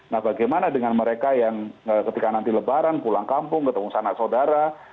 nah bagaimana dengan mereka yang ketika nanti lebaran pulang kampung ketemu sanak saudara